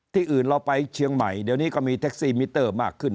อื่นเราไปเชียงใหม่เดี๋ยวนี้ก็มีแท็กซี่มิเตอร์มากขึ้น